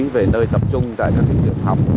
về nơi tập trung tại các thị trường học